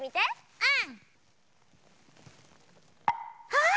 うん。